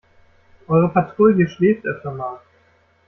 Eure Patrouille schläft öfter mal.